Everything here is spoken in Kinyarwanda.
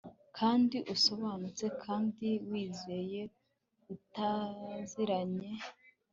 kandi usobanutse kandi wizeye utaziranye